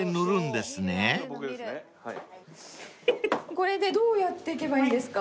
これでどうやっていけばいいんですか？